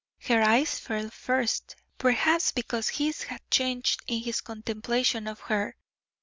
Her eyes fell first, perhaps because his had changed in his contemplation of her.